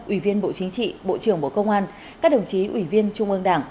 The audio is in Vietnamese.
ủy viên bộ chính trị bộ trưởng bộ công an các đồng chí ủy viên trung ương đảng